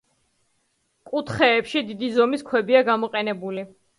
კუთხეებში დიდი ზომის ქვებია გამოყენებული.